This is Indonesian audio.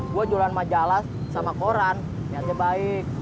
gue jualan majalah sama koran niatnya baik